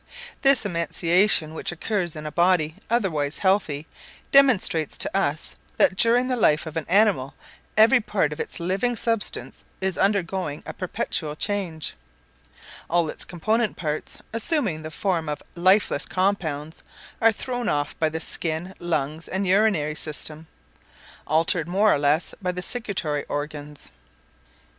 This emaciation which occurs in a body otherwise healthy, demonstrates to us, that during the life of an animal every part of its living substance is undergoing a perpetual change; all its component parts, assuming the form of lifeless compounds, are thrown off by the skin, lungs, and urinary system, altered more or less by the secretory organs.